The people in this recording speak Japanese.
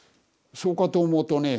そうかと思うとね